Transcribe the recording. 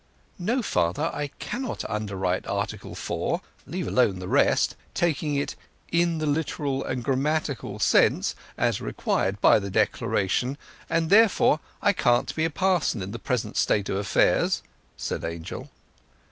"No, father; I cannot underwrite Article Four (leave alone the rest), taking it 'in the literal and grammatical sense' as required by the Declaration; and, therefore, I can't be a parson in the present state of affairs," said Angel.